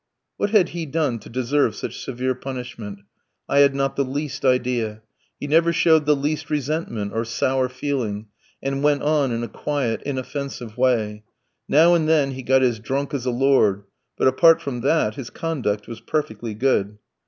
What had he done to deserve such severe punishment? I had not the least idea; he never showed the least resentment or sour feeling, and went on in a quiet, inoffensive way; now and then he got as drunk as a lord; but, apart from that, his conduct was perfectly good.